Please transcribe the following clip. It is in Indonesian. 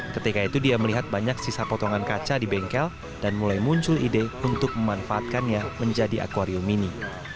ketika itu dia melihat banyak sisa potongan kaca di bengkel dan mulai muncul ide untuk memanfaatkannya menjadi akwarium ini